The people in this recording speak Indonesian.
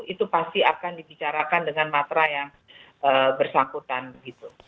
itu pasti akan dibicarakan dengan matra yang bersangkutan gitu